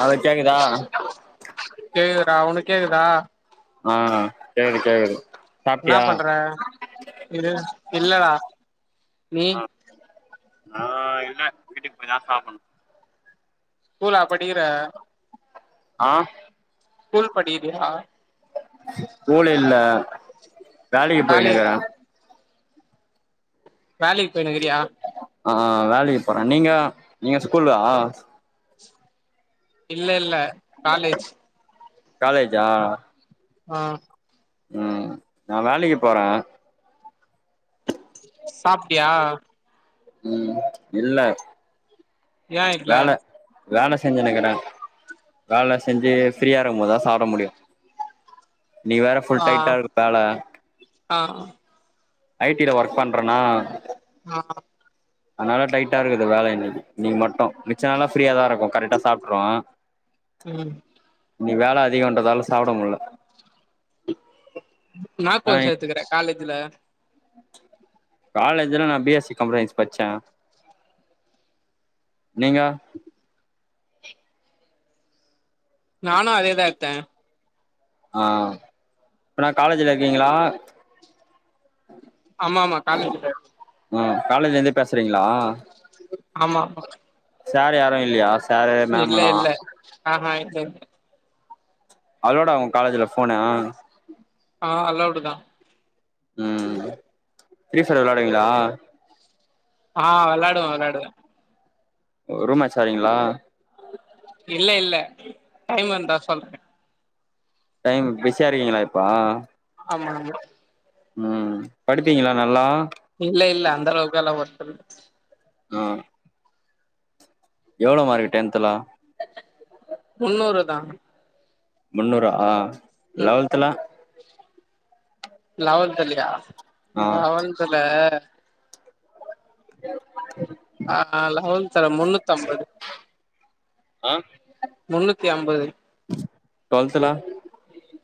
Hello கேக்குதா கேக்குதுறா அவனுக்கு கேக்குதா ஆ கேகுது கேகுது சாப்ட்டியா ஏ இல்லடா நீ நா இல்ல வீட்டுக்கு போய்தா சாப்டனு கூலப்படிக்கிற ஆ சூல்படிகிறயா சூலுலில்ல வேலைக்கு காலேஜ் போயினுக்கற வேலைக்கு போய்னுக்குறியா ஆ வேலைக்கு போறே நீங்க நீங்க ஸ்கூல்லா இல்ல இல்ல காலேஜ் காலேஜா ஆ உ நா வேலைக்கு போறே சாப்ட்டியா உ இல்ல ஏ இல்ல வேலை வேலை செஞ்சு நிக்கிறே வேலை செஞ்சு ஃப்ரீயா இருக்கும போதுதா சாப்பிட முடியு நீ வேற ஃபுல் ஆ டைட்டா இரு கால ஆ ஐடில ஒர்க் பண்ணுறேண்ணா ஆ அதுனால டைட்டா இருக்குது வேலை இன்னைக்கு நீ மட்டும் மிச்ச நால ஃப்ரீய தா இருக்கு கரெக்டா சாப்டுறோ உ இன்னிக்கு வேல அதிகன்றதால சாப்ட முடியல என்ன ஆ கோஸ் எடுதுக்குன காலேஜ்ல காலேஜ்ல நான் பிஎஸ்சி கம்ளன்ஸ் பச்சேன் நீங்க நானு அதேதாயேத்தே ஆ இப்ப நா காலேஜ்ல இருக்கீங்களா ஆமா ஆமா காலேஜ்ல இருக் அ காலேஜ்ல இருந்து பேசுறீங்களா ஆமா ஆமா சேர யாரு இல்லையா சேரு மேமலா ஆ இல்ல அவளோட அவன் உன் காலேஜ்ல போனா ஆ அலவுடு தா உ திரீஃபயர் விளையாடுவீங்களா ஆ விளாடுவே விளாடுவே பொறுமசாலிங்களா இல்ல இல்ல டைம்வந்தா சொல்றேன் டைம் பிஸியா இருக்கீங்களா, இப்போ? ஆமா நம்பு ம் படிப்பீங்களா நல்லா? இல்ல, இல்ல அந்த அளவுக்கெல்லா ஓர்த் இல்ல. நா எவ்ளோ மார்க் டென்த்ல? முன்னூறு தா. முன்னூறா, ம் லெவல்த்ல? லெவல் தல்லியா, ஆ லெவல்த்ல ஆ லெவல்த்ல முன்னூத்தம்பது. அ முன்னூத்திஅம்பது. டுவெல்த்ல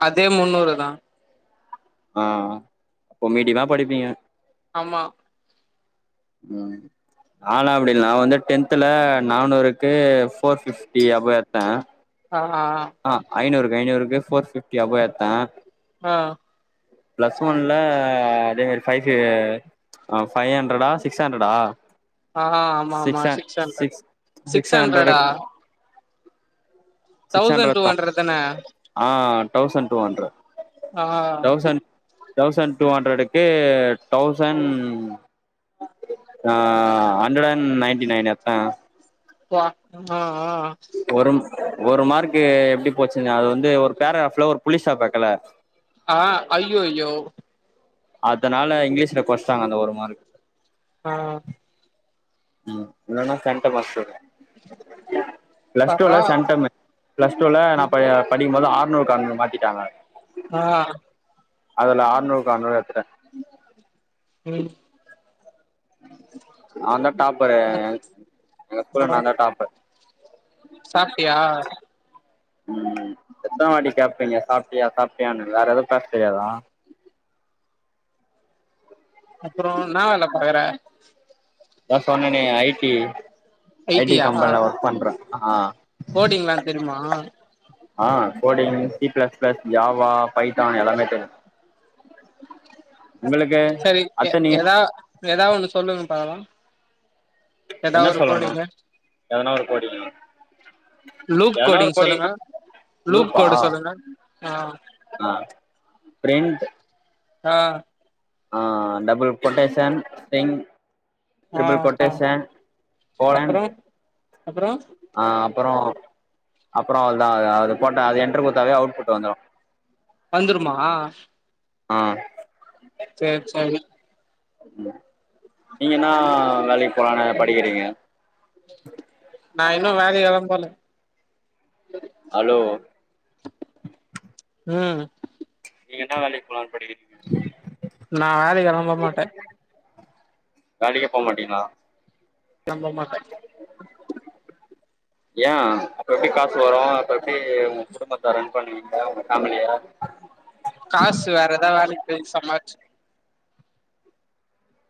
அதே முன்னூறு தா. ஆ அப்போ மீடியமா படிப்பீங்க. ஆமா. ம். நானா, அப்டில்ல நா வந்து டென்துல நானூருக்கு ஃபோர் ஃபீஃப் டீ அபோ எடுத்தே ஆ ஹா ஆ ஐநூறுக்கு ஐநூறுக்கு ஃபோர் ஃபிஃப்டி அபோ எடுத்தே. ஆ. பிளஸ் ஒன்ல அதே மாரி ஃபைவ் ஃபீல் ஆ, ஃபைவ் ஹண்டரடா? சிக்ஸ் ஹண்ட்ரடா? ஆ ஆமா ஆமா சிக்சாட் ஹண்ட்ரட் சிக்ஸ் சிக்ஸ் ஹண்ட்ரடுக் சிக்ஸ் தௌசண்ட் ஹண்ட்ரட் டூ தா. தான ஆ தௌசண்ட் டூ ஹண்ட்ரட். ஆ தௌசண்ட் தௌசண்ட் டூ ஹண்ட்ரடுக்கு தௌசண்ட் ஆ, ஹண்ட்ரட் அண்ட் நையன்டி நையன் எடுத்தே. ப்பா ம் ஆ ஆ ஆ ஒரும் ஒரு மார்க்கு எப்டி போச்சுனா அது வந்து ஒரு பேரகிராஃப்ல ஒரு புள்ளி ஸ்டாப் வக்கல. ஆ ஐய்யோ யோ அதனால, இங்கிலீஷ்ல கொறச்டாங்க அந்த ஒரு மார்க். ஆ ம் இல்லனா சென்டெம் மாஸ்டர் பிளஸ் பார்றா டூல சென்டெமு. பிளஸ் டூல நாப் பரையா படிக்கு போது ஆறுநூறுக்கு ஆறுநூறு மாத்திட்டாங்க. ஆ ஹ அதுல ஆறுநூறுக்கு ஆறுநூறு எடுத்திட்டே. ம் நா தா டாப்பரு. எங் எங்க ஸ்கூல்ல நா தா டாப்பர். சாப்ட்டியா? ம். எத்தன வாட்டி கேட்பீங்க, சாப்ட்டியா சாப்ட்டியான்னு வேற எதும் பேசத் தெரியாதா? அப்பறோ இன்னா வேல பாக்குற அதா சொன்னனே ஐ டி ஐ டி கம்பெனில ஒர்க் பண்றே ஆ கோடிங்லா தெரியுமா ஆ coding C plus plus Java Python எல்லாமே தெரி செரி அத்த நீ எதா எதா ஒன்னு சொல்லுங்க பாக்கலா எதா என்ன ஒரு சொல்லணு கோடிங்கு எதனா ஒரு கோடிங்கா லூக் கோடிங்க சொல்லுங்க லூப் கோடு சொல்லுங்க ஆ ஆ பிரிண்ட் ஆ ஆ டபுள் கொட்டேஷன் ஸ்ட்ரிங் ஆ டபுள் ஆ கொட்டேஷன் கோலன் அப்றோ அப்றோ ஆ அப்பறோ அப்பறோ அவள்தா அது போட்ட அது என்டர் குத்தாவே அவுட்புட் வந்துரு வந்துருமா ஆ செரி செரி நீங்க என்னா வேலைக் போலானு படிக்கிறீங்க நா இன்னு வேலைகளா போல அலோ ம் நீங்க என்னா வேலைக் போலான் படிகிறீங்க நா வேலைக்கல்லா போமாட்டே வேலைக்கே போமாட்டீங்ளா நா போமாட்டே ஏ அப்ப எப்டி காசு வரு அப்ப எப்டி உங்க குடும்பத்த ரன் பண்ணுவீங்க உங்க ஃபேமிலிய காசு வேற எதா வேலைக் போய் சம்பாறிச்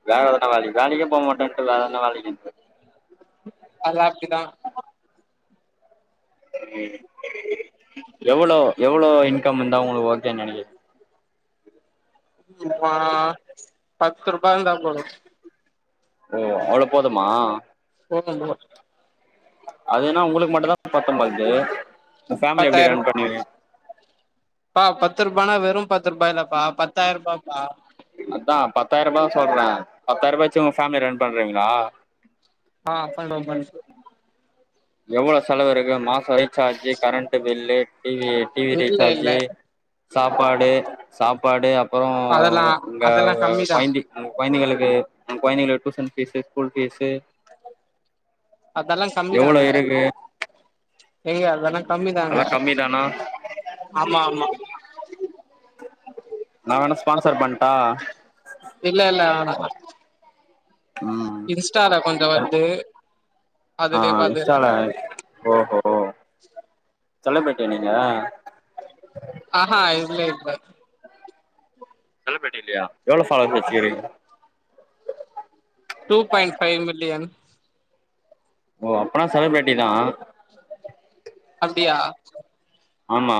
வேற அது என்னா வேலைக் வேலைக்கே போமாட்டேன்ட்டு வேற என்னா வேலைக்கி அதுலா அப்டிதா சேரி [unintelligible] எவ்ளோ எவ்ளோ இன்கம் இருந்தா உங்களுக்கு ஓகேன் நெனைக்கிறிங் ஆ பத்துருபா இருந்தா போது ஓ அவ்வளோ போதுமா போதும்போ அதுனா உங்ளுக்கு மட்டுதா பத்தும்பொல்து அப்ப ஃபேமிலிய எப்டி பத்தாயிர ரன் பண்ணுவீங்க பா பத்துருபானா வெறு பத்துருபா இல்லப்பா பத்தாய்ருபாபா அத்தா பத்தாய்ருபாதா சொல்றே பாத்தாய்ருபா வெச்சு உங்க ஃபேமிலிய ரன் பண்றுவீங்ளா ஆ பண்டுவ பண் எவ்ளோ செலவு இருக்கு மாசோ recharge current bill T V T V இல்ல இல்ல ரீசார்ஜு சாப்பாடு சாப்பாடு அப்பறோ அதெல்லா இங்க அதெல்லா கம்மிதா கொய்ந்த நம்ம கொய்ந்தகளுக்கு நம்ம கொய்ந்தகளுக்கு டியூஷன் ஃபீஸு ஸ்கூல் ஃபீஸு அதெல்லா எவ்ளோ கம்மிதாங்க இருக்கு எங்க அதல்லா கம்மிதாங்க அதெல்லா கம்மி தானா ஆமா ஆமா நா வேண் ஃபான்சர் பண்டா இல்ல இல்ல வேணா ம் இன்ஸ்டால கொஞ்ச எ வருது ஆ அதுலயே பாத்துக்குறே இன்ஸ்டால ஓஹோ செலப்ரிட்டியா நீங்க ஆஹா இல்ல இல்ல செலப்ரிட்டி இல்லையா எவ்ளோ ஃபாலோவர்ஸ் வெச்சுக்றீங் டூ பாயிண்ட் பைவ் மில்லியன் ஓ அப்பனா செலிபிரட்டி தா அப்டியா ஆமா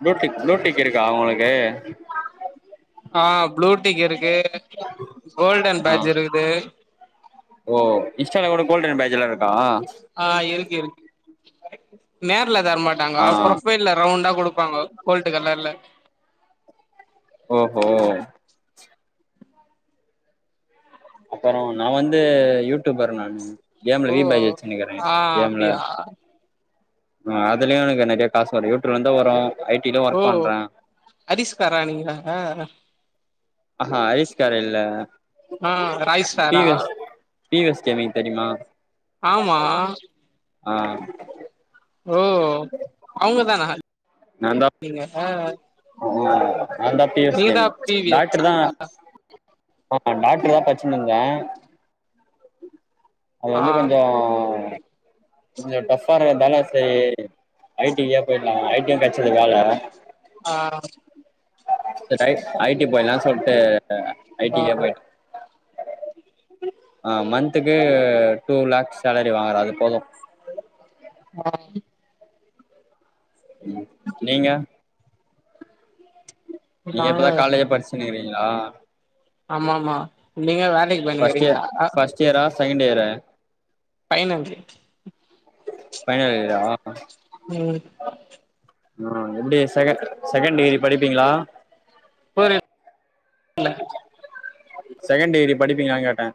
புளூ டிக் புளூ டிக் இருக்கா உங்களுக்கு ஆ ப்ளூ டீக் இருக்கு கோல்டன் ஆ பேஜ் இருக்குது ஓ இன்ஸ்டால கூட கோல்டன் பேஜ்லா இருக்கா ஆ இருக்கு இருக்கு நேர்ல தர மாட்டாங்க ஆ ப்ரொஃபைல்ல ரவுண்டா கொடுப்பாங்கோ கோல்டு கலர்ல ஓஹோ அப்பற நா வந்து யூடியூபர் நானு கேம்ல ஓ ரீ பேஜ் வச்சினுக்கிற ஆ கேம்ல அப்டியா ஆ அதுலயு எனக்கு காசு வரு யூடியூப்ல இருந்து வரு ஐ டி லும் ஒர்க் பண்ற அடிஸ்காரா நீங்க ஆ அரிஸ் காரு இல்ல ஆ பி ராய்ஸ்டாரா எஸ் பி எஸ் கேமிங் தெரியுமா ஆமா ஆ ஓ அவுங்கதானா நீங்க நா தா பி எஸ் நீங்கதா gaming P V S doctor தா டாக்டர் தா படிச் சினுருந்த அது ஆ வந்து கொஞ்ச கொஞ்ச டஃப்பா இருக்கறதாலா சேரி ஐ டி கே போயிடலா ஐ டி யு கெடச்சது வேல ஆ [unintelligible] ஐ ஐ டி போயிடாலாம்னு சொல்லிட்டு ஐ டி ஆ க்கே போயிட்ட ஆ மந்த்துக்கு டூ லேக்ஸ் சேலரி வாங்குற அது போது ஆ நீங்க நீங்க நாங்க இப்பதா காலேஜே படிச்சுனுக்கிறீங்களா ஆமா ஆமா நீங்க வேல ஃபர்ஸ்ட் இயர் ஃபர்ஸ்ட் இயரா செகண்ட் இயரா பைநஞ்சு பைனல் இயரா ம் ஆ எப்டி செகெ செகெண்ட் டிகிரி படிப்பீங்களா ஃபோர் இயர் இருக்குல்ல செகெண்ட் டிகிரி படிப்பீங்களானு கேட்ட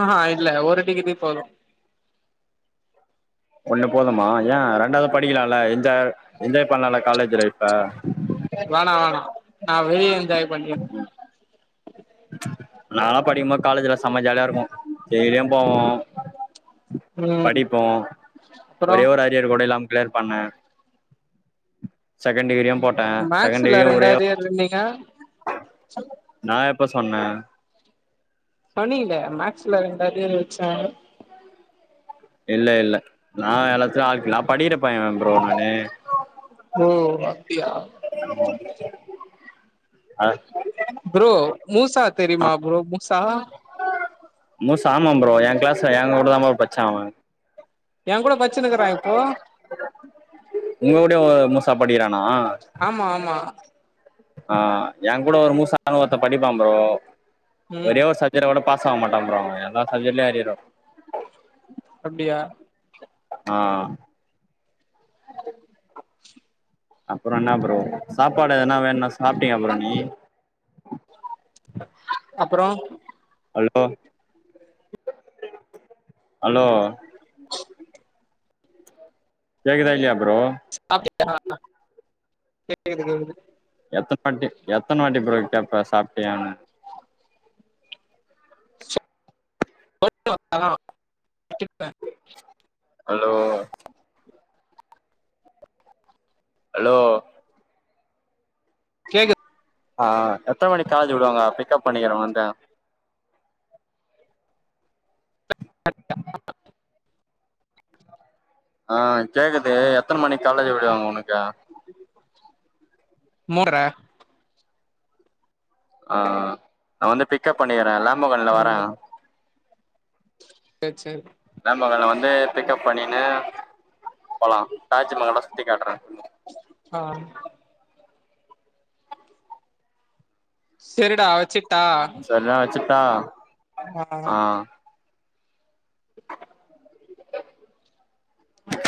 ஆ இல்ல ஒரு டிகிரி போதும் ஒண்ணு போதமா எய ரெண்டாவது படிக்கலாம்ல என்ஜா என்ஜாய் பண்ணலாம்ல காலேஜ் லைஃப்ப வேணா வேணா நா வெளியவே என்ஜாய் பண்ணிக்கிற நாலா படிக்கும்போது காலேஜ்லா செம ஜாலியா இருக்கும் டெய்லியும் போவோ ம் படிப்போ அப்றோ ஒரே ஒரு அரியர் கூட இல்லாம கிளியர் பண்ண செகெண்ட் டிகிரியு போட்ட செகெண்ட் டிகிரியு ஒரே சொன்னிக சொல்லுங் நா எப்ப சொன்ன சொன்னீங்களே மேக்ஸ்ல ரெண்டு அரியர் வச்சே இல்ல இல்ல நா எல்லாத்தையு ஆல் கிளியர் படிக்கிற பைய ப்ரோ நானு ஓ அப்டியா ம் அ ப்ரோ மூஸா தெரியுமா ப்ரோ மூஸா மூஸா ஆமாம் ப்ரோ என் கிளாஸ்ல என் கூட தா ப்ரோ படிச்சா அவன் என் கூட படிச்சுனுக்கிறா இப்போ உங்க கூடயு முஸா படிக்கிறானா ஆமா ஆமா ஆஹம என் கூட ஒரு மூஸானு ஒருத்த படிப்பா ப்ரோ ம் ஒரே ஒரு சப் இதர விட பாஸ் ஆக மாட்ட ப்ரோ அவ எல்லா சப்ஜெட்லேயு அரியர் வப்பா அப்டியா ஆ அப்புற என்ன ப்ரோ சாப்பாடு எதனா வேணுனா சாப்ட்டியா ப்ரோ நீ அப்பறோ ஹலோ ஹலோ கேக்குதா இல்லையா ப்ரோ சாப்டியா கேக்குது கேக்குது எத்தன வாட்டி எத்தன வாட்டி ப்ரோ கேப்ப சாப்ட்டியானு [unintelligible] ஹலோ ஹலோ கேக்குது ஆ எத்தன மணிக் காலேஜு விடுவாங்க பிக்கப் பண்ணிக்கிற வந்து ஆ கேக்குது எத்தன மணிக்கு காலேஜ் விடுவாங்க உனக்கு மூன்டற ஆ நா வந்து பிக்கப் பண்ணிக்கிற லாம்பகண்ல வரே ம் சேர் சேர் லாம்பகன்ல வந்து பிக்கப் பண்ணிகின்னு போலா தாஜ்மஹாலா சுத்தி காட்டுறே ஆ செரிடா வச்சுர்ட்டா செரிடா வச்சுட்டா ஆ ம்